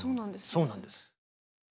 そうなんです。